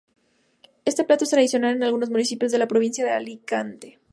Este plato es tradicional en algunos municipios de la provincia de Alicante.